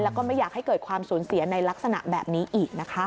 แล้วก็ไม่อยากให้เกิดความสูญเสียในลักษณะแบบนี้อีกนะคะ